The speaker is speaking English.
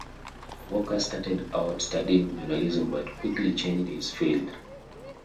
Walker started out studying Journalism but quickly changed his field.